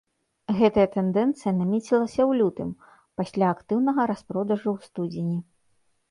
Гэтая тэндэнцыя намецілася ў лютым, пасля актыўнага распродажу ў студзені.